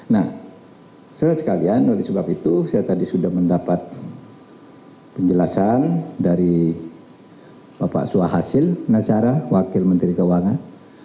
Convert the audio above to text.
nah surat sekalian oleh sebab itu saya tadi sudah mendapat penjelasan dari bapak suhasil nazara wakil menteri keuangan